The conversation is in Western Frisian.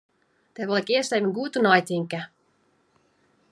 Dêr wol ik earst even goed oer neitinke.